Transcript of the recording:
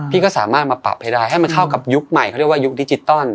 พี่ก็สามารถมาปรับให้ได้ให้มันเข้ากับยุคใหม่เขาเรียกว่ายุคดิจิตอล